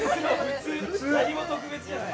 何も特別じゃない。